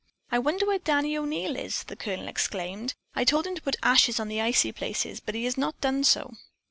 "I wonder where Danny O'Neil is," the Colonel exclaimed. "I told him to put ashes on the icy places, but he has not done so."